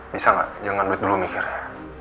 bisa gak jangan duit dulu mikirnya